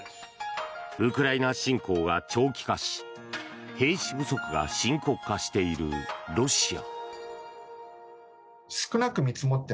ウクライナ侵攻が長期化し兵士不足が深刻化しているロシア。